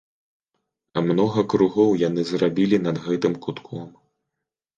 Многа кругоў яны зрабілі над гэтым кутком.